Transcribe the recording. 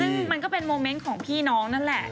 ซึ่งมันก็เป็นโมเมนต์ของพี่น้องนั่นแหละ